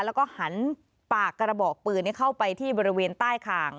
แล้วก็หันปากกระบอกปืนเข้าไปที่บริเวณใต้คาง